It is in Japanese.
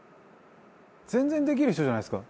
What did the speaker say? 全然できる人じゃないですか」